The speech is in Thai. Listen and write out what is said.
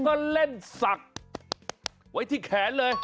ก็เล่นศักดิ์ไว้ที่แขนเลย